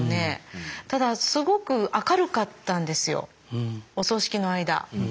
ただすごく明るかったんですよお葬式の間。